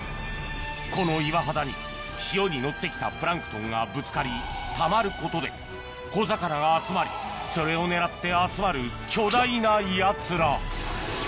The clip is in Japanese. この岩肌に潮に乗ってきたプランクトンがぶつかりたまることで小魚が集まりそれを狙って集まる巨大なやつら